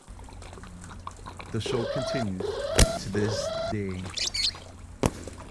The show continues to this day.